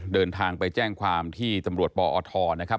เดินทางไปแจ้งความที่ตำรวจปอทนะครับ